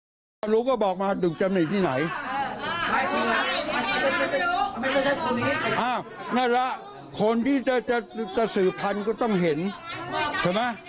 ว่าอ่ะอ่าไอ้น้องตอนเนี้ยบอกว่าลงตาไม่เคยมีอะไรแต่ใช้มือเด็ก